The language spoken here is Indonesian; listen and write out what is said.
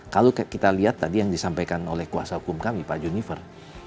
kalau kita lihat tadi yang disampaikan oleh kuasa hukum kami pak junifer